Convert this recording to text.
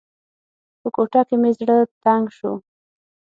په کوټه کې مې زړه تنګ شو.